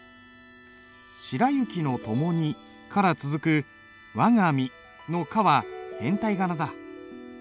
「しらゆきのともに」から続く「わがみ」の「か」は変体仮名だ。